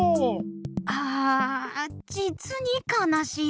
ああじつにかなしい。